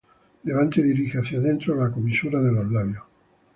Levanta y dirige hacia dentro la comisura de los labios.